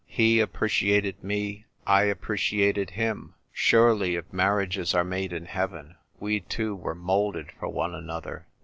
He appre ciated me, I appreciated him ; surely, if mar riages are made in heaven, we two were moulded for one another.